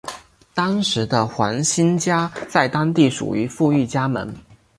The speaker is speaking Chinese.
当时的黄兴家在当地属于富裕家门。